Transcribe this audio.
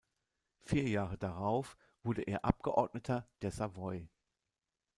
Vier Jahre darauf wurde er Abgeordneter der Savoie.